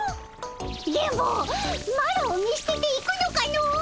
電ボマロを見捨てて行くのかの！